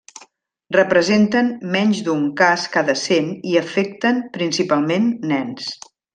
Representen menys d'un cas cada cent i afecten principalment nens.